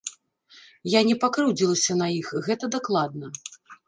Я не пакрыўдзілася на іх, гэта дакладна.